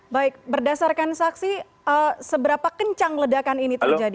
baik berdasarkan saksi seberapa kencang ledakan ini terjadi